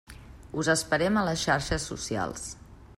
Us esperem a les xarxes socials!